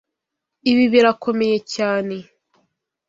Ibi birakomeye cyane.